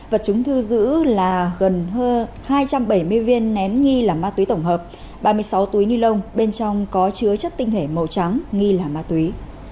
vật chứng thu giữ là gần hai trăm bảy mươi viên nén nghi là ma túy tổng hợp ba mươi sáu túi ni lông bên trong có chứa chất tinh thể màu trắng nghi là ma túy